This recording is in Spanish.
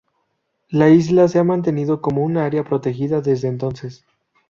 La isla se ha mantenido como un área protegida desde entonces.